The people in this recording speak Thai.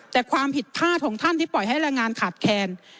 แต่ความผิดพลาดของท่านที่ปล่อยให้แรงงานขาดแคลน